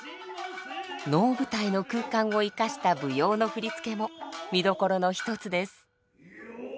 能舞台の空間を生かした舞踊の振付も見どころの一つです。